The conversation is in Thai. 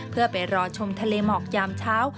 เพื่อไปรอชมทะเลหมอกยามเช้า